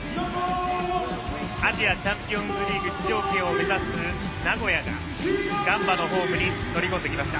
アジアチャンピオンズリーグ出場権を目指す名古屋がガンバのホームに乗り込んできました。